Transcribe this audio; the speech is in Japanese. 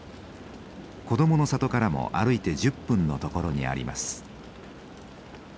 「こどもの里」からも歩いて１０分の所にあります。